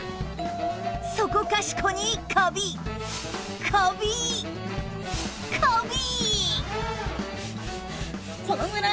そこかしこにカビカビカビ！